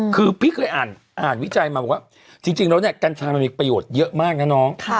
คือพี่เคยอ่านวิจัยมาบอกว่าจริงแล้วเนี่ยกัญชามันมีประโยชน์เยอะมากนะน้อง